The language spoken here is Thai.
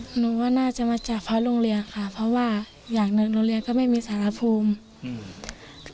หนูว่าน่าจะมาจากเพราะโรงเรียนค่ะเพราะว่าอย่างหนึ่งโรงเรียนก็ไม่มีสารภูมิอืม